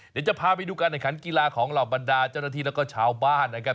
เดี๋ยวจะพาไปดูการแข่งขันกีฬาของเหล่าบรรดาเจ้าหน้าที่แล้วก็ชาวบ้านนะครับ